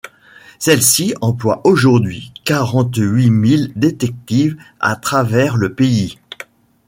Celle-ci emploie aujourd'hui quarante-huit mille détectives à travers le pays.